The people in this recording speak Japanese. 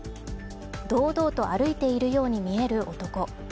堂々と歩いているように見える男。